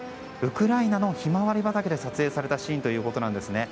ウクライナのヒマワリ畑で撮影されたシーンということです。